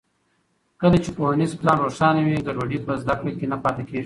کله چې پوهنیز پلان روښانه وي، ګډوډي په زده کړو کې نه پاتې کېږي.